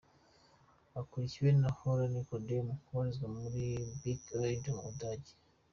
Akurikiwe na Holler Nikodemus ubarizwa muri Bike Aid yo mu Budage.